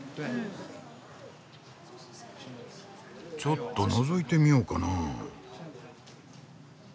ちょっとのぞいてみようかなあ。